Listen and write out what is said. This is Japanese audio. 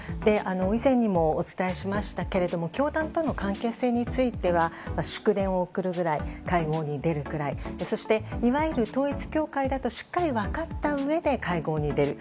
以前にもお伝えしましたけれど教団との関係性については祝電を送るぐらい会合に出るくらいそして、いわゆる統一教会としっかり分かったうえで会合に出る。